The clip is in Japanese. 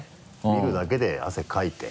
見るだけで汗かいて。